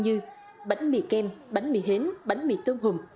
như bánh mì kem bánh mì hến bánh mì tôm hùm